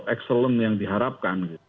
ekselen yang diharapkan